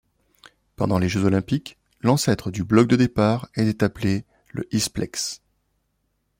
Pendant les Jeux Olympiques, l'ancêtre du bloc de départ était appelé le Hysplex.